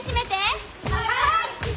はい！